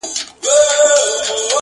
ښکاري وایې دا کم اصله دا زوی مړی,